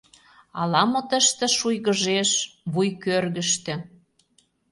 Ала-мо тыште шуйгыжеш... вуй кӧргыштӧ...